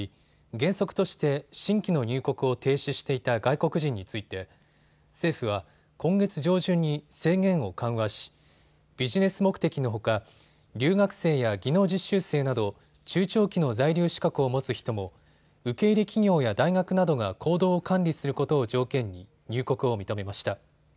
原則として新規の入国を停止していた外国人について政府は今月上旬に制限を緩和しビジネス目的のほか、留学生や技能実習生など、中長期の在留資格を持つ人も受け入れ企業や大学などが行動を管理することを条件に入国を認めました。